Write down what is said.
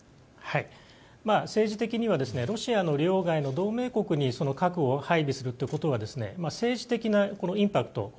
政治的にはロシアの領内の同盟国に核を配備するということは政治的なインパクト